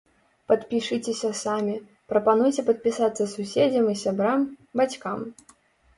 Падпішыцеся самі, прапануйце падпісацца суседзям і сябрам, бацькам!